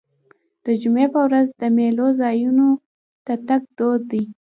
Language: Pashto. د جمعې په ورځ د میلو ځایونو ته تګ دود دی.